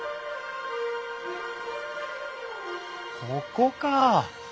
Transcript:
ここか。